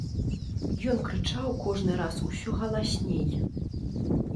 Ён крычаў кожны раз усё галасней.